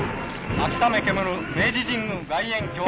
秋雨煙る明治神宮外苑競技場。